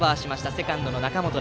セカンドの中本。